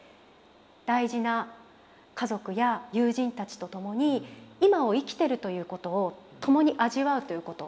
大事な家族や友人たちと共に今を生きてるということを共に味わうということ。